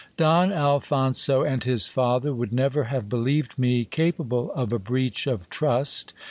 Don Alphonso and his father would never have believed me capa ble of a breach of trust.